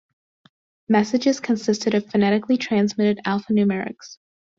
Messages consisted of phonetically transmitted alphanumerics.